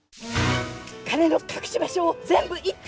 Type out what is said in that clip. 金の隠し場所を全部言って！